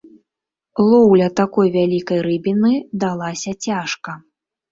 Лоўля такой вялікай рыбіны далася цяжка.